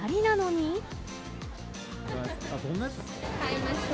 買いました。